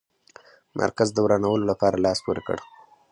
مرکز د ورانولو لپاره لاس پوري کړ.